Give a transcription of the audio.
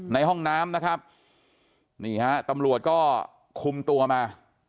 ในห้องน้ำนะครับนี่ฮะตำรวจก็คุมตัวมา